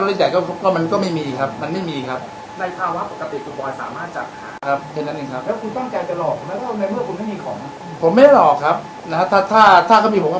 ผมไม่ได้หลอกครับถ้าก็มีผมผมคิดว่าผมมีความสามารถหาเรื่องแรกกับน้องไหมแค่นั้นเองครับ